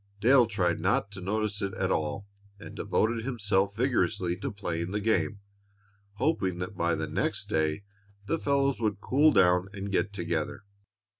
Dale tried not to notice it all, and devoted himself vigorously to playing the game, hoping that by the next day the fellows would cool down and get together.